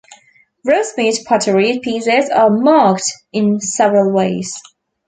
Rosemeade pottery pieces are marked in several ways.